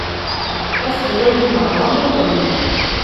Aselway-nneɣ d amuḍin.